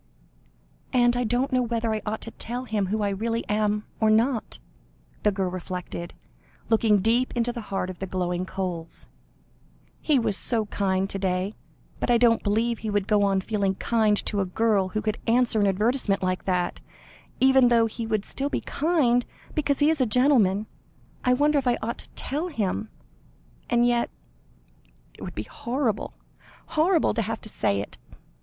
"And I don't know whether I ought to tell him who I really am, or not," the girl reflected, looking deep into the heart of the glowing coals. "He was so kind to day, but I don't believe he would go on feeling kind to a girl who could answer an advertisement like that even though he would still be kind, because he is a gentleman. I wonder if I ought to tell him? And yet it would be horrible horrible to have to say it.